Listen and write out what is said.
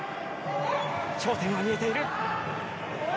頂点は見えている。